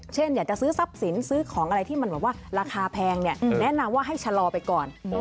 เช่นอยากจะซื้อทรัพย์สินซื้อของอะไรที่มันแบบว่าราคาแพงเนี่ยแนะนำว่าให้ชะลอไปก่อน